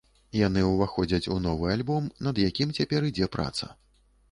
Яны ўваходзяць у новы альбом, над якім цяпер ідзе праца.